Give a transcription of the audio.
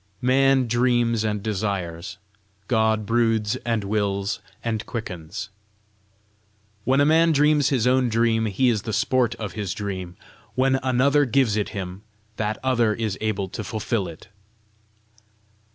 Man dreams and desires; God broods and wills and quickens. When a man dreams his own dream, he is the sport of his dream; when Another gives it him, that Other is able to fulfil it.